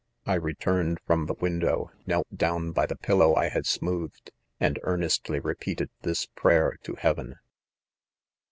I returned from the window^ knelt down by the pillow I had smoothed ,' and ear nestly repeated this prayer to. heaven.